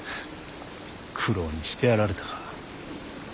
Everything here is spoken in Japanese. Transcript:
九郎にしてやられたか。